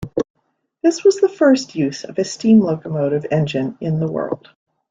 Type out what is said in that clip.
This was the first use of a steam locomotive engine in the world.